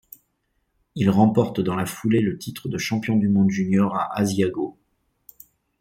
Il remporte dans la foulée le titre de champion du monde junior à Asiago.